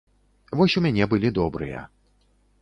Вось у мяне былі добрыя.